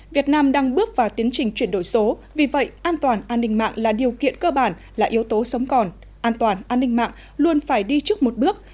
việt nam đang bước vào tiến trình chuyển đổi số vì vậy an toàn an ninh mạng là điều kiện cơ bản là yếu tố sống còn an toàn an ninh mạng luôn phải đi trước một bước